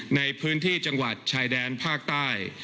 ในพื้นที่จังหวัดชายแดนภาคใต้